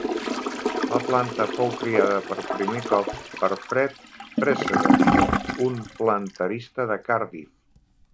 La planta fou criada per primer cop per Fred Treseder, un planterista de Cardiff.